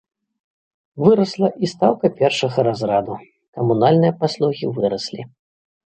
Вырасла і стаўка першага разраду, камунальныя паслугі выраслі.